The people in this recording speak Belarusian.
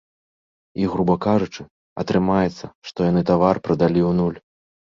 І, груба кажучы, атрымаецца, што яны тавар прадалі ў нуль.